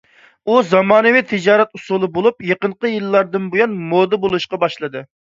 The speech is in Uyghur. ئۇ زامانىۋى تىجارەت ئۇسۇلى بولۇپ، يېقىنقى يىللاردىن بۇيان مودا بولۇشقا باشلىدى.